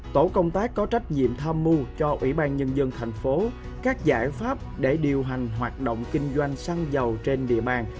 tổ công tác có trách nhiệm tham mưu cho ubnd tp hcm các giải pháp để điều hành hoạt động kinh doanh xăng dầu trên địa bàn